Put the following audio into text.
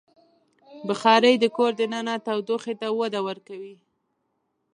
بخاري د کور دننه تودوخې ته وده ورکوي.